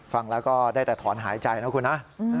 ฟังแล้วก็ได้แต่ถอนหายใจนะคุณนะ